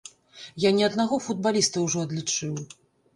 Я не аднаго футбаліста ўжо адлічыў.